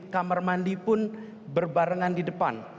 kamar mandi pun berbarengan di depan